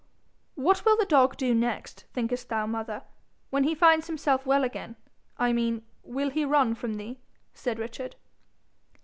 'What will the dog do next, thinkest thou, mother when he finds himself well again, I mean? Will he run from thee?' said Richard.